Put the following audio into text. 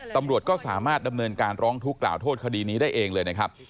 ตำรวจก็สามารถดำเนินการร้องทุกข์กล่าวโทษคดีนี้ได้เองเลยนะครับ